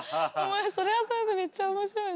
それはそれでめっちゃ面白い。